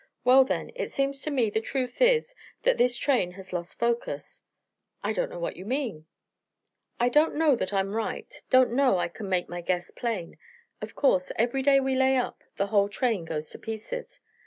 "Well, then, it seems to me the truth is that this train has lost focus." "I don't know what you mean." "I don't know that I'm right don't know I can make my guess plain. Of course, every day we lay up, the whole train goes to pieces.